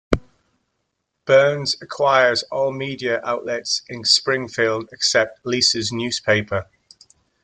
Burns acquires all media outlets in Springfield except Lisa's newspaper.